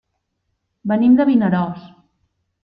Venim de Vinaròs.